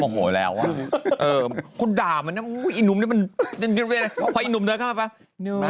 ก็มันเป็นอย่างนี้มันมีหน้าดีเนี่ย